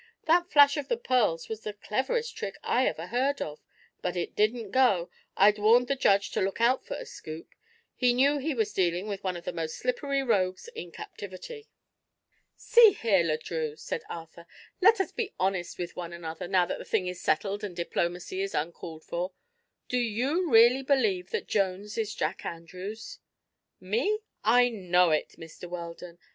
That flash of the pearls was the cleverest trick I ever heard of; but it didn't go, I'd warned the judge to look out for a scoop. He knew he was dealing with one of the most slippery rogues in captivity." "See here, Le Drieux," said Arthur; "let us be honest with one another, now that the thing is settled and diplomacy is uncalled for. Do you really believe that Jones is Jack Andrews?" "Me? I know it, Mr. Weldon.